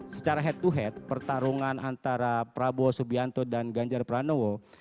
secara head to head pertarungan antara prabowo subianto dan ganjar pranowo